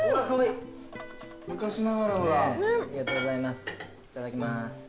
いただきます。